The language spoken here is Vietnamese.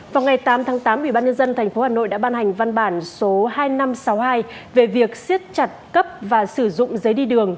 vào ngày tám tháng tám ubnd tp hà nội đã ban hành văn bản số hai nghìn năm trăm sáu mươi hai về việc siết chặt cấp và sử dụng giấy đi đường